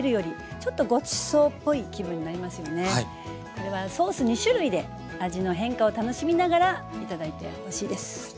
これはソース２種類で味の変化を楽しみながら頂いてほしいです。